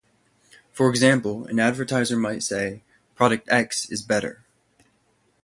For example, an advertiser might say "product X is better".